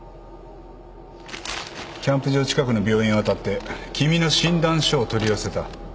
キャンプ場近くの病院を当たって君の診断書を取り寄せた。